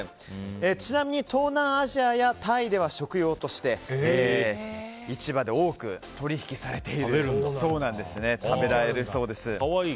ちなみに東南アジアや、タイでは食用として市場で多く取引されているそうです。